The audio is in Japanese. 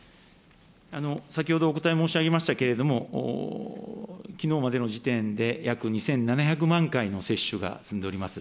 先ほどお答え申し上げましたけれども、きのうまでの時点で約２７００万回の接種が済んでおります。